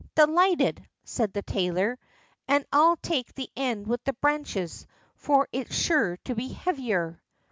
"Delighted!" said the tailor, "and I'll take the end with the branches, for it's sure to be heavier."